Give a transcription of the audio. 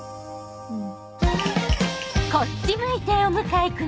うん。